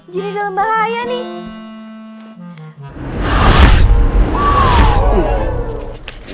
jinny dalam bahaya nih